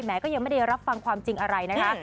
ก็ยังไม่ได้รับฟังความจริงอะไรนะคะ